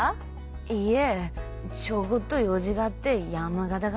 いいえちょごっと用事があって山形から。